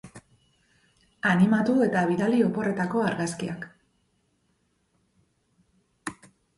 Animatu eta bidali oporretako argazkiak!